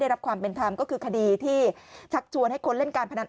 รับความเป็นธรรมก็คือคดีที่ชักชวนให้คนเล่นการพนัน